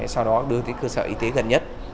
sau đó đưa tới cơ sở y tế gần nhất